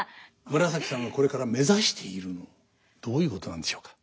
紫さんがこれから目指しているのどういうことなんでしょうか？